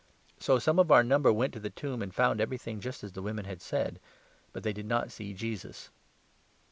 So some of our number went to the tomb 24 and found everything just as the women had said ; but they did not see Jesus."